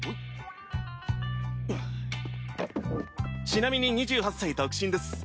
ちなみに２８歳独身です。